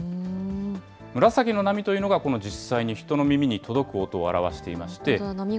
紫の波というのが、この実際に人の耳に届く音を表していまして。